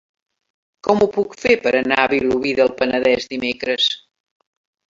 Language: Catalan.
Com ho puc fer per anar a Vilobí del Penedès dimecres?